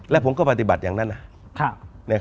และผมก็ปฏิบัติอย่างนั้น